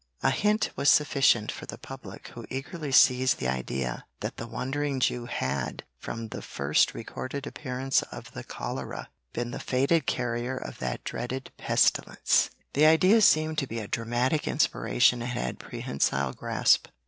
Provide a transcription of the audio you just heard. A hint was sufficient for the public who eagerly seized the idea that the Wandering Jew had, from the first recorded appearance of the cholera, been the fated carrier of that dreaded pestilence. The idea seemed to be a dramatic inspiration and had prehensile grasp.